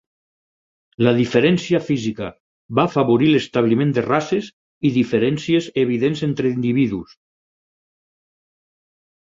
La diferència física va afavorir l'establiment de races i diferències evidents entre individus.